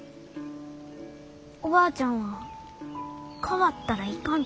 おばあちゃんは変わったらいかんと言いゆう。